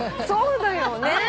そうだよ。ね？